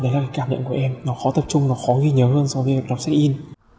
đấy là cái cảm nhận của em nó khó tập trung nó khó ghi nhớ hơn so với việc đọc sách in